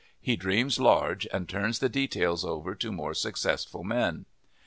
He dreams large and turns the details over to more successful men.